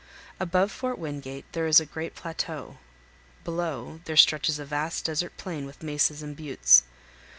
Above Fort Wingate there is a great plateau; below, there stretches a vast desert plain with mesas and buttes.